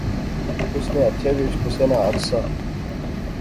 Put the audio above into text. اس نے ہتھے وچ کسے نا ہتھ سا